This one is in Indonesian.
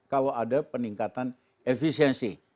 kalau ada peningkatan efisiensi